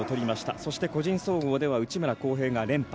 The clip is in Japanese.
そして個人総合では内村航平が連覇。